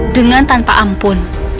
dengan tanpa ampun